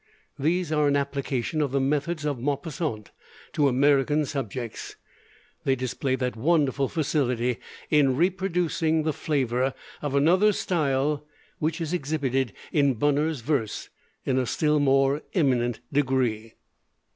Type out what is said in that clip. These are an application of the methods of Maupassant to American subjects; they display that wonderful facility in reproducing the flavor of another's style which is exhibited in Bunner's verse in a still more eminent degree.